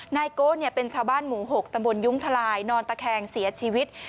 นายโก้เป็นชาวบ้านหมู่๖ตำบลยุ้งทลายนอนตะแคงเสียชีวิต